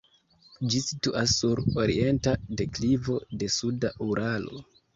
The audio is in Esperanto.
Ĝi situas sur orienta deklivo de suda Uralo.